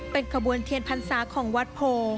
เป็นขบวนเทียนพรรษาของวัดโพ